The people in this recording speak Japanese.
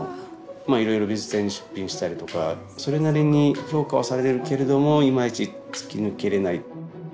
いろいろ美術展に出品したりとかそれなりに評価はされるけれどもいまいち突き抜けれない。